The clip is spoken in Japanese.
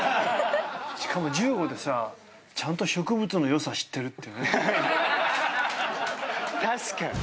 しかも１５でさちゃんと植物の良さ知ってるってね。確かに。